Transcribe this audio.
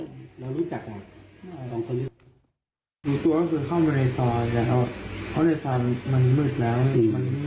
เพราะเค้าได้อะไรในลักษณะ